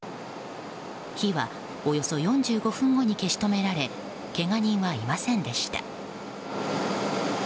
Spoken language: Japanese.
火はおよそ４５分後に消し止められけが人はいませんでした。